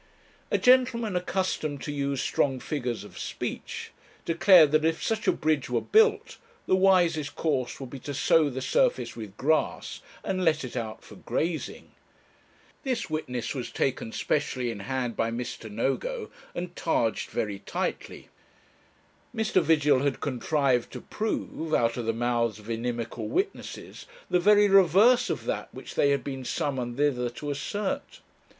A gentleman, accustomed to use strong figures of speech, declared that if such a bridge were built, the wisest course would be to sow the surface with grass, and let it out for grazing. This witness was taken specially in hand by Mr. Nogo, and targed very tightly. Mr. Vigil had contrived to prove, out of the mouths of inimical witnesses, the very reverse of that which they had been summoned thither to assert.